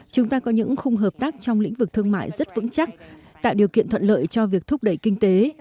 chúng ta có những khung hợp tác trong lĩnh vực thương mại rất vững chắc tạo điều kiện thuận lợi cho việc thúc đẩy kinh tế